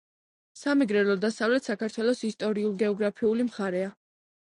სამეგრელო დასავლეთ საქართველოს ისტორიულ-გეოგრაფიული მხარეა.